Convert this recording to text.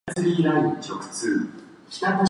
焼きかまぼこ